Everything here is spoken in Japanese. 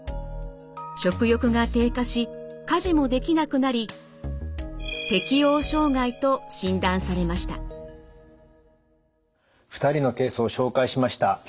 食欲が低下し家事もできなくなり適応障害と診断されました。